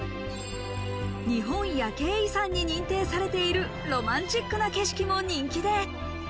日本夜景遺産に認定されているロマンチックな景色も人気で。